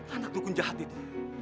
anak lukun jahat itu